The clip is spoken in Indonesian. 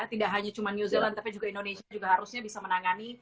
tidak hanya cuma new zealand tapi juga indonesia juga harusnya bisa menangani